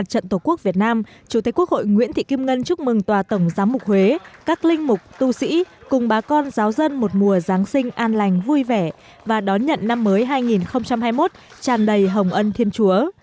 trận tổ quốc việt nam chủ tịch quốc hội nguyễn thị kim ngân chúc mừng tòa tổng giám mục huế các linh mục tu sĩ cùng bà con giáo dân một mùa giáng sinh an lành vui vẻ và đón nhận năm mới hai nghìn hai mươi một tràn đầy hồng ân thiên chúa